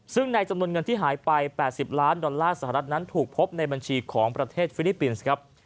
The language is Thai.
ซึ่งในจำนวนเงินที่หายไป๘๐ล้านดอลลาร์สหรัฐนั้นถูกพบในบัญชีของประเทศฟิลิปปินส์ครับ